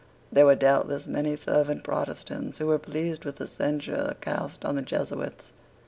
There were doubtless many fervent Protestants who were pleased with the censure cast on the Jesuits.